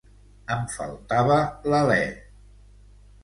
Em faltava l’alé.